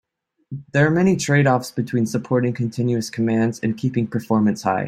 There are many trade-offs between supporting continuous commands and keeping performance high.